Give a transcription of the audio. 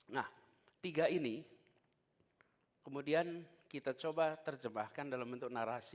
nah tiga ini kemudian kita coba terjemahkan dalam bentuk narasi